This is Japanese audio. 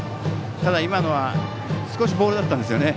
ただ、今のは少しボールだったんですよね。